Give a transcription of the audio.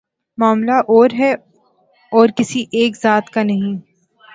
معاملہ اور ہے اور کسی ایک ذات کا نہیں۔